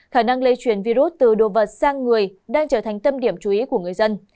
khả năng lây truyền virus từ đồ vật sang người đang trở thành tâm điểm chú ý của người dân